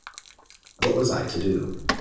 What was I to do?